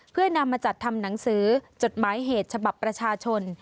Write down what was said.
เพื่อนำมาจัดทำหนังสือจดหมายเหตุฉบับประชาชน